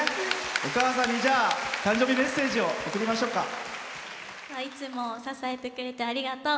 お母さんに誕生日メッセージをいつも支えてくれてありがとう。